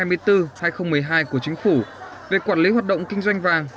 nghị định hai mươi bốn hai nghìn một mươi hai của chính phủ về quản lý hoạt động kinh doanh vàng